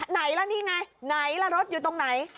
ไหนละนี่ไงรถอยู่ตรงไหน